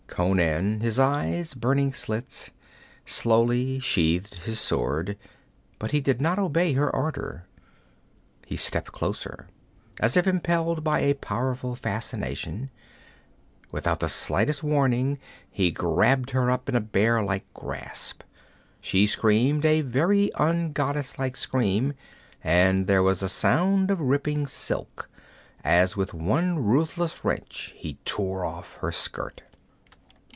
Conan, his eyes burning slits, slowly sheathed his sword, but he did not obey her order. He stepped closer, as if impelled by a powerful fascination without the slightest warning he grabbed her up in a bear like grasp. She screamed a very ungoddess like scream, and there was a sound of ripping silk, as with one ruthless wrench he tore off her skirt.